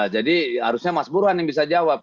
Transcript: jadi harusnya mas burhan yang bisa jawab